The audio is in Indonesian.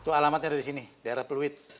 itu alamatnya ada di sini di arah pluit